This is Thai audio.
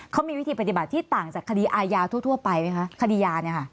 เขามีวิธีปฏิบัติที่ต่างจากคดีอาญาทั่วไปไหมคะคดียาเนี่ยค่ะ